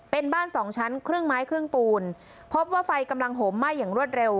เป็นบ้านสองชั้นครึ่งไม้ครึ่งปูนพบว่าไฟกำลังโหมไหม้อย่างรวดเร็ว